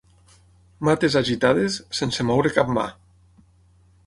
Mates agitades sense moure cap mà.